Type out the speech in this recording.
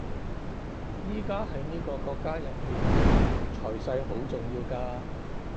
而家喺呢個國家入面財勢好重要㗎